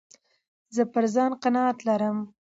زه پر ځان قناعت لرم.